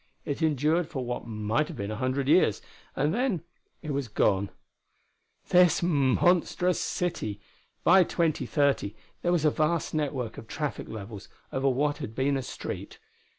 It endured for what might have been a hundred years, and then it was gone.... This monstrous city! By 2030 there was a vast network of traffic levels over what had been a street.